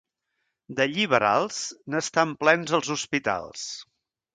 De lliberals, n'estan plens els hospitals.